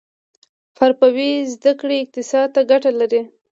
حرفوي زده کړې اقتصاد ته ګټه لري